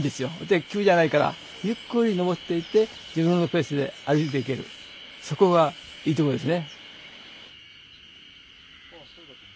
で急じゃないからゆっくり登っていって自分のペースで歩いていけるそこがいいとこですね。